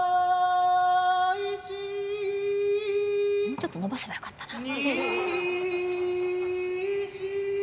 もうちょっと伸ばせばよかったな。